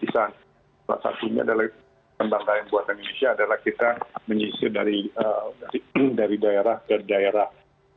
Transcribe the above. salah satunya adalah kebanggaan buatan indonesia adalah kita menyisir dari daerah ke daerah